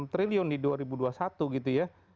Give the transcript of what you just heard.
enam triliun di dua ribu dua puluh satu gitu ya